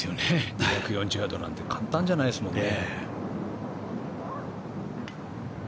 ２４１ヤードなんて簡単じゃないですもんね。